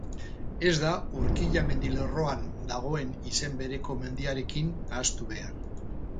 Ez da Urkilla mendilerroan dagoen izen bereko mendiarekin nahastu behar.